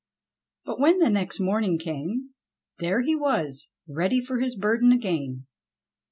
But when the next morning came there he was ready for his burden again.